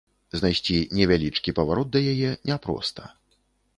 Знайсці невялічкі паварот да яе няпроста.